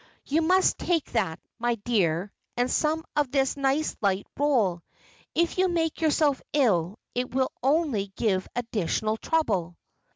"You must take that, my dear, and some of this nice light roll. If you make yourself ill, it will only give additional trouble."